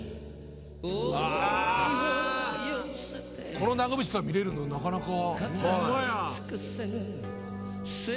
「この長渕さん見られるのなかなか」